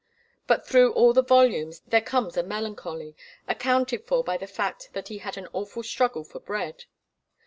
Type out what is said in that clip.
But through all the volumes there comes a melancholy, accounted for by the fact that he had an awful struggle for bread.